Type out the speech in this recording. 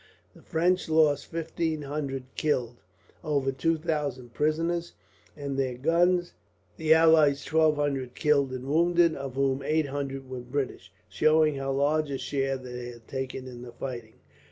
The French lost fifteen hundred killed, over two thousand prisoners, and their guns; the allies twelve hundred killed and wounded, of whom eight hundred were British, showing how large a share they had taken in the fighting.